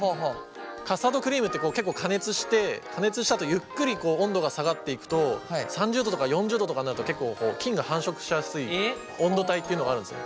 カスタードクリームって結構加熱して加熱したあとゆっくりこう温度が下がっていくと３０度とか４０度とかになると結構菌が繁殖しやすい温度帯っていうのがあるんです。